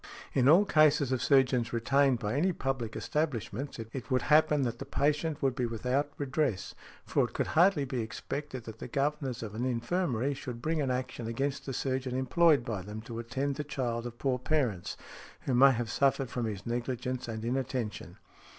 In all cases of surgeons retained by any public establishments, it would happen that the patient would be without redress, for it could hardly be expected that the governors of an infirmary should bring an action against the surgeon employed by them to attend the child of poor parents, who may have suffered from his negligence and inattention" .